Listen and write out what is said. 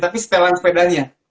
tapi setelan sepedanya